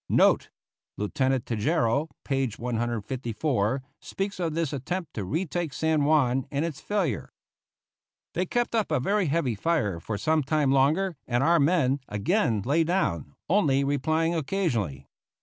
* Note: Lieutenant Tejeiro, p. 154, speaks of this attempt to retake San Juan and its failure. They kept up a very heavy fire for some time longer, and our men again lay down, only replying occasionally.